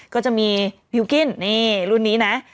ก็จะมีฮิวกิ้นนี่รุ่นนี้นะ